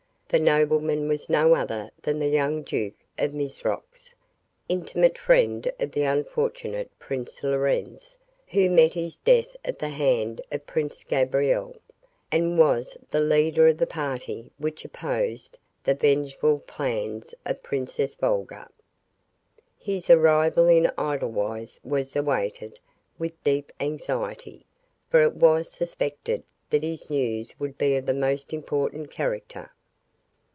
The nobleman was no other than the young Duke of Mizrox, intimate friend of the unfortunate Prince Lorenz who met his death at the hand of Prince Gabriel, and was the leader of the party which opposed the vengeful plans of Princess Volga. His arrival in Edelweiss was awaited with deep anxiety, for it was suspected that his news would be of the most important character.